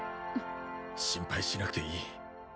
心配しなくていい